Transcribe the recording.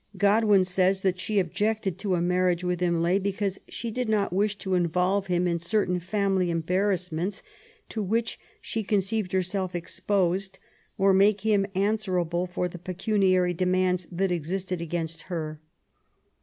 Gt)dwin says that she objected to a marriage with Im lay because she did not wish to involve him in cer tain family embarrassments to which she conceived herself exposed, or make him answerable for the pecim iary demands that existed against her.''